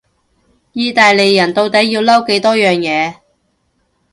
意大利人到底要嬲幾多樣嘢？